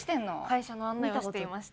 会社の案内をしていました。